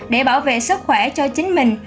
để bảo vệ sức khỏe cho chính mình